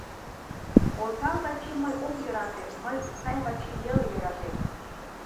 Осал Вачим мый ом йӧрате, мый сай Вачим веле йӧратем...